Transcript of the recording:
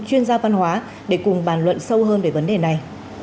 chuyên gia văn hóa để cùng bàn luận sâu hơn về vấn đề này